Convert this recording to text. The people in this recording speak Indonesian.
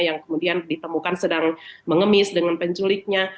yang kemudian ditemukan sedang mengemis dengan penculiknya